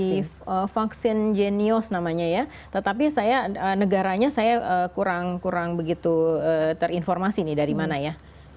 di vaksin jenius namanya ya tetapi saya negaranya saya kurang kurang begitu terinformasi nih dari mana ya